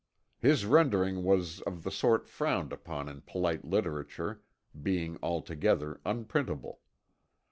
His rendering was of the sort frowned upon in polite literature, being altogether unprintable.